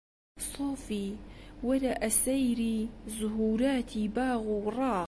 سۆفی! وەرە ئەسەیری زوهووراتی باغ و ڕاغ